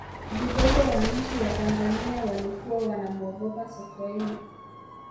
vigogo wa nchi ya tanzania walikuwa wanamuogopa sokoine